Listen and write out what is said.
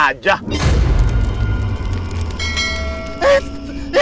ada apaan sih